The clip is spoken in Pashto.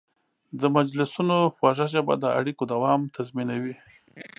د مجلسونو خوږه ژبه د اړیکو دوام تضمینوي.